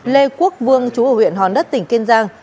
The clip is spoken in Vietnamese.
lê quốc vương chú ở huyện hòn đất tỉnh kiên giang